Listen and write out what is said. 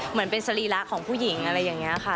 เหมือนเป็นสรีระของผู้หญิงอะไรอย่างนี้ค่ะ